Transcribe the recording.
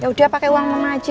yaudah pake uang mama aja